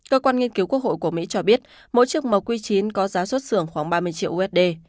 cơ quan nghiên cứu quốc hội của mỹ cho biết mỗi chiếc m quy chín có giá xuất xưởng khoảng ba mươi triệu usd